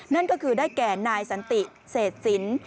นั่นก็คือได้แก่นายสันติเศษศิลป์